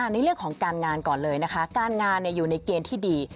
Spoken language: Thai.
ในเรื่องของการงานก่อนเลยนะคะการงานอยู่ในเกณฑ์ที่ดี